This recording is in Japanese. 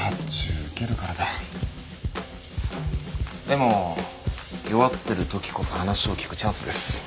でも弱ってるときこそ話を聞くチャンスです。